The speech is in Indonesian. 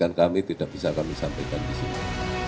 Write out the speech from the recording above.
ketika kami tidak bisa kami sampaikan disini